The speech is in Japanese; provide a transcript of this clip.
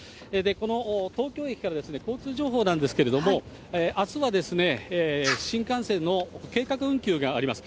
この東京駅から交通情報なんですけれども、あすは新幹線の計画運休があります。